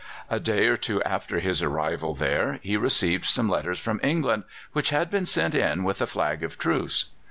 A day or two after his arrival there he received some letters from England which had been sent in with a flag of truce.